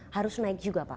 harus naik juga pak